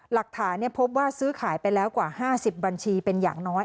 หลักฐานพบว่าซื้อขายไปแล้วกว่า๕๐บัญชีเป็นอย่างน้อย